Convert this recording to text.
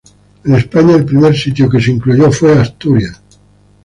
En España, el primer sitio que se incluyó fue Asturias.